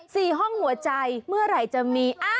ห้องหัวใจเมื่อไหร่จะมี